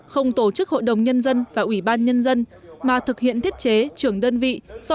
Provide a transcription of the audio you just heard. không tổ chức hội đồng nhân dân và ủy ban nhân dân mà thực hiện thiết chế trưởng đơn vị